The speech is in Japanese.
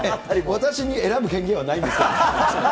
私に選ぶ権限はないんですけどもね。